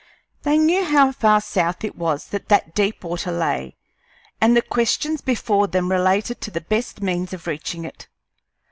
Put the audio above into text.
They knew how far south it was that that deep water lay, and the questions before them related to the best means of reaching it.